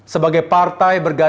sebagai partai yang berpengaruh